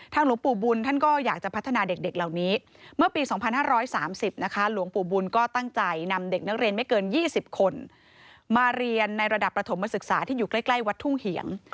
หลวงปู่บุญท่านก็อยากจะพัฒนาเด็กเหล่านี้เมื่อปี๒๕๓๐นะคะหลวงปู่บุญก็ตั้งใจนำเด็กนักเรียนไม่เกิน๒๐คนมาเรียนในระดับประถมศึกษาที่อยู่ใกล้วัดทุ่งเหียง